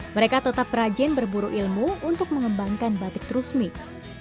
mereka tetap rajin berburu ilmu untuk mengembangkan batik trusmik